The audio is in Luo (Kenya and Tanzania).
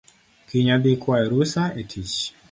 Kiny adhii kwayo rusa e tich